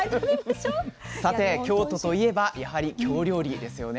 さて京都といえばやはり京料理ですよね。